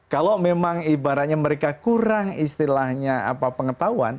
kalau memang ibaratnya mereka kurang istilahnya apa pengetahuan